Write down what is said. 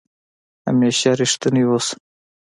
همېشه ریښتونی اوسه